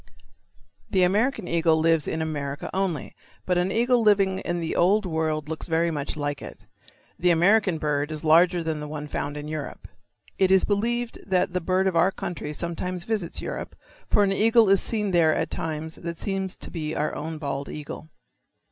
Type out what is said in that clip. The American eagle lives in America only, but an eagle living in the Old World looks very much like it. The American bird is larger than the one found in Europe. It is believed that the bird of our country sometimes visits Europe, for an eagle is seen there at times that seems to be our own bald eagle.